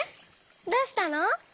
どうしたの？